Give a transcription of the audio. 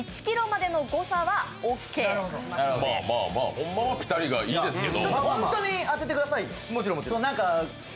ほんまはぴたりがいいですけど。